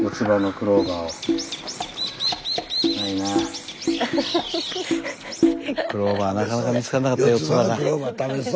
クローバーなかなか見つかんなかった四つ葉が。